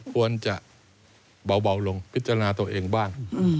ควรจะเบาลงพิจารณาตัวเองบ้าง